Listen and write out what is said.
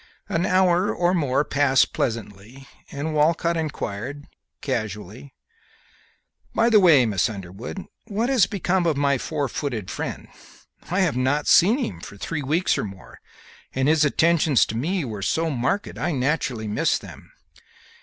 An hour or more passed pleasantly, and Walcott inquired, casually, "By the way, Miss Underwood, what has become of my four footed friend? I have not seen him for three weeks or more, and his attentions to me were so marked I naturally miss them."